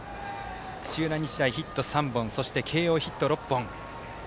土浦日大、ヒット３本そして、慶応、ヒット６本。